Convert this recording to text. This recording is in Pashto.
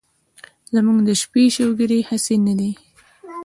زمونږ د شپې شوګيرې هسې نه دي